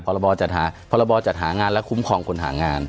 จัดหาพรบจัดหางานและคุ้มครองคนหางาน